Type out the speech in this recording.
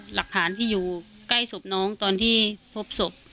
หลักฐานที่อยู่ใกล้ศพน้องตอนที่พบศพ